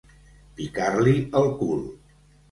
Picar-li el cul.